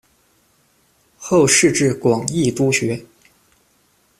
后仕至广义督学。